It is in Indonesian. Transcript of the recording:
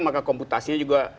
maka komputasinya juga